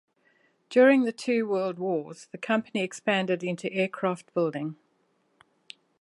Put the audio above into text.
During the two world wars, the company expanded into aircraft building.